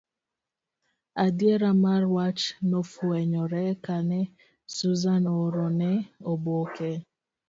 Adiera mar wach nofwenyore kane Susan oorone oboke.